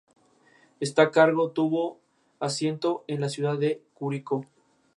Pueden darse molestias en el cuadrante derecho superior.